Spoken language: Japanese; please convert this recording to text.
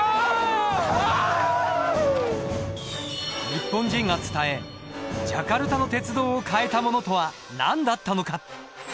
日本人が伝えジャカルタの鉄道を変えたものとは何だったのか。